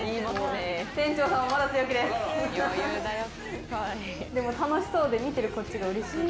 でも楽しそうで見てるこっちがうれしい。